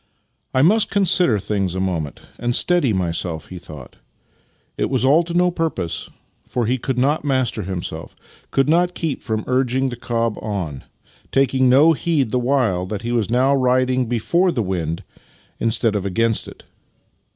" I must consider things a moment and steady myself," he thought. Yet it was all to no purpose, for he could not master himself — could not keep from urging the cob on; taking no heed the while that he was now riding before the wind instead of against it.